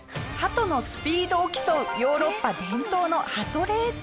鳩のスピードを競うヨーロッパ伝統の鳩レース。